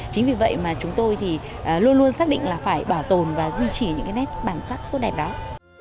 chính vì vậy mà chúng tôi thì luôn luôn xác định là phải bảo tồn và duy trì những cái nét bản sắc tốt đẹp đó